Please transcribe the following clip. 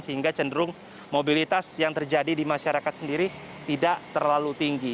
sehingga cenderung mobilitas yang terjadi di masyarakat sendiri tidak terlalu tinggi